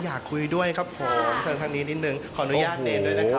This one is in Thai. ขออนุญาตนี่ด้วยนะฮะ